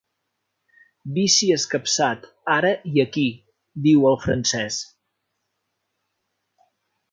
Vici escapçat ara i aquí, diu el francès.